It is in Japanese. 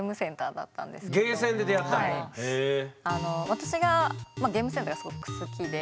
私がゲームセンターがすごく好きで。